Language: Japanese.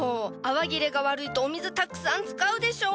泡切れが悪いとお水たくさん使うでしょ！？